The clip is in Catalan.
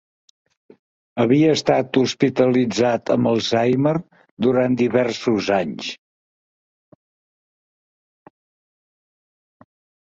Havia estat hospitalitzat amb Alzheimer durant diversos anys.